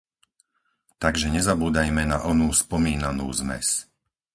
Takže nezabúdajme na onú spomínanú zmes.